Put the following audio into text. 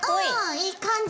いい感じ！